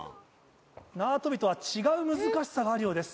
縄跳びとは違う難しさがあるようです。